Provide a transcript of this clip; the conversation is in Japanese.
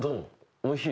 おいしい？